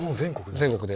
全国で。